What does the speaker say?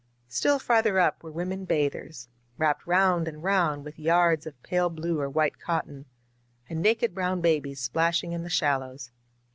Still farther up were women bathers, wrapped round and round with yards of pale blue or white cotton, and naked brown babies splashing in the shallows.